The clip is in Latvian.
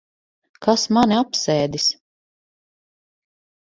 Kas mani apsēdis?